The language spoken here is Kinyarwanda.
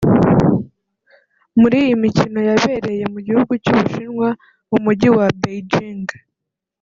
muri iyi mikino yabereye mu gihugu cy’u Bushinwa mu Mujyi wa Beijing